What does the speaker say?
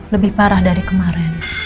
lebih parah dari kemarin